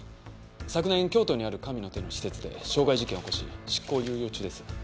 昨年京都にある神の手の施設で傷害事件を起こし執行猶予中です。